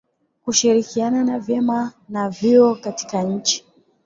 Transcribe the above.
Kushirikiana na vyama na vyuo katika nchi